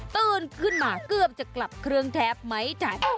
ตื่นขึ้นมาเกือบจะกลับเครื่องแทบไหมจ๊ะ